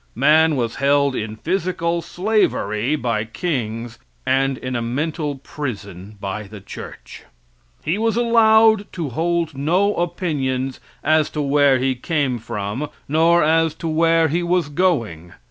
Man was held in physical slavery by kings, and in a mental prison by the church. He was allowed to hold no opinions as to where he came from, nor as to where he was going.